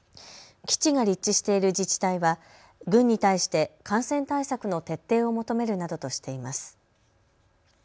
基地が立地している自治体は、軍に対して感染対策の徹底を求めるなどとしています。